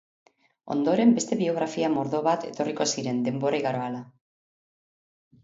Ondoren, beste biografia mordo bat etorriko ziren, denbora igaro ahala.